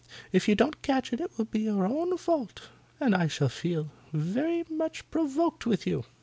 If you don't catch it, it will be your own fault, and I shall feel very much provoked with you."